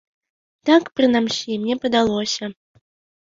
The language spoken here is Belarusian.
Так, прынамсі, мне падалося.